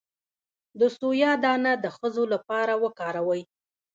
د سویا دانه د ښځو لپاره وکاروئ